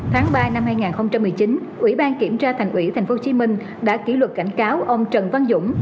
tháng ba năm hai nghìn một mươi chín ủy ban kiểm tra thành ủy tp hcm đã kỷ luật cảnh cáo ông trần văn dũng